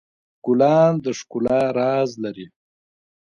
ګلان د ښکلا راز لري.